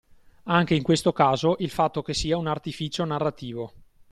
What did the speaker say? Anche in questo caso il fatto che sia un artificio narrativo